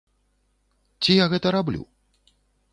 Ці я гэта раблю?